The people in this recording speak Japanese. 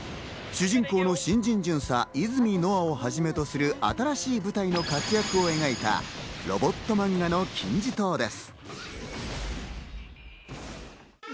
主人公の新人巡査・泉野明をはじめとする新しい舞台の活躍を描いたロボットマンガの金字塔です。